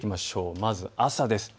まず朝です。